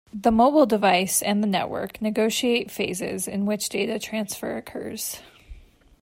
The mobile device and the network negotiate phases in which data transfer occurs.